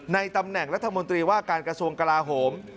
ตำแหน่งรัฐมนตรีว่าการกระทรวงกลาโหม